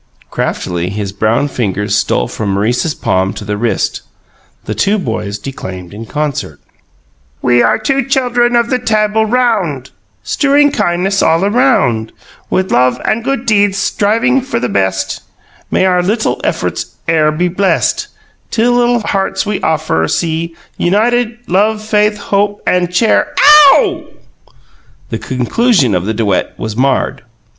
Craftily his brown fingers stole from Maurice's palm to the wrist. The two boys declaimed in concert: "We are two chuldrun of the Tabul Round Strewing kindness all a round. With love and good deeds striving ever for the best, May our littul efforts e'er be blest. Two littul hearts we offer. See United in love, faith, hope, and char OW!" The conclusion of the duet was marred.